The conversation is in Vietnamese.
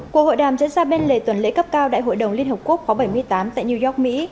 cuộc hội đàm diễn ra bên lề tuần lễ cấp cao đại hội đồng liên hợp quốc khóa bảy mươi tám tại new york mỹ